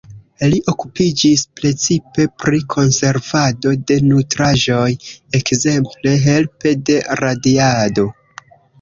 Li okupiĝis precipe pri konservado de nutraĵoj, ekzemple helpe de radiado.